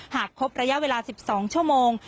หากครบระยะเวลา๑๒ชั่วโมง